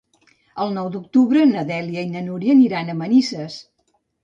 El nou d'octubre na Dèlia i na Núria aniran a Manises.